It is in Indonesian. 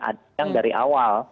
ada yang dari awal